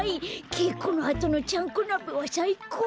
けいこのあとのちゃんこなべはさいこう！